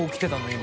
今。